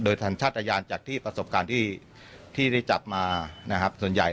โดยชาติอาญาจากที่ประสบการณ์ที่ได้จับมาส่วนใหญ่